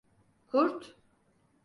Kurt?